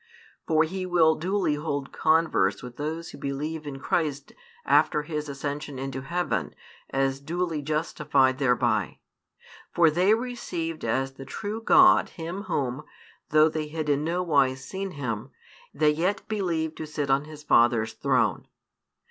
For He will duly hold converse with those who believe in Christ after His ascension into heaven, as duly justified thereby. For they received as the true God Him Whom, though they had in nowise seen Him, they yet believed to sit on His Father's throne.